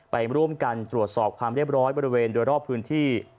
ไปร่วมกันตรวจสอบความเรียบร้อยบริเวณโดยรอบพื้นที่